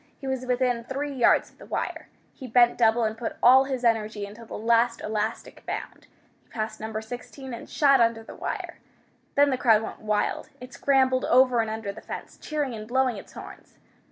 He was within three yards of the wire. He bent double, and put all his energy into the last elastic bound. He passed Number 16, and shot under the wire. Then the crowd went wild. It scrambled over and under the fence, cheering and blowing its horns.